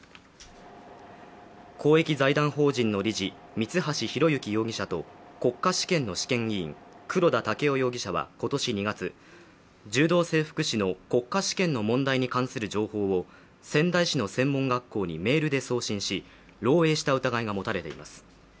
公益財団法人の理事、三橋裕之容疑者と国家試験の試験委員・黒田剛生容疑者は今年２月、柔道整復師の国家試験の問題に関する情報を仙台市の専門学校にメールで送信し、漏えいした疑いが持たれています。